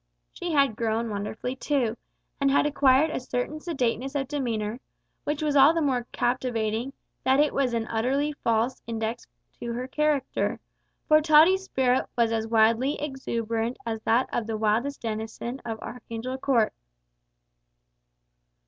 She had grown wonderfully too, and had acquired a certain sedateness of demeanour, which was all the more captivating that it was an utterly false index to her character, for Tottie's spirit was as wildly exuberant as that of the wildest denizen of Archangel Court.